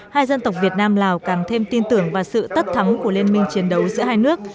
hai dân tộc việt nam lào càng thêm tin tưởng và sự tất thắng của liên minh chiến đấu giữa hai nước